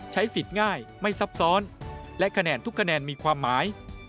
ใช้สิทธิ์ง่ายไม่ซับซ้อนและคะแนนทุกคะแนนมีความหมาย